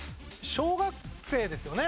小学生ですよね。